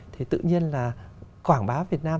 thì tự nhiên là quảng bá việt nam